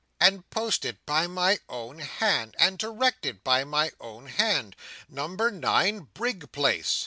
"And posted by my own hand! And directed by my own hand, Number nine Brig Place!"